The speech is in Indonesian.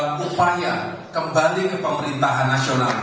pertama kali mengatakan bahwa partai demokrat tetap menjadiaskan